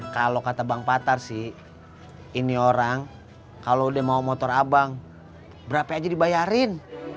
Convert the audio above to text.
kalau kata bang patar sih ini orang kalau dia mau motor abang berapa aja dibayarin